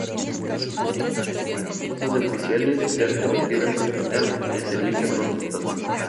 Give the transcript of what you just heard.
Algunas esposas de oficiales se han convertido en personal de servicio contratado.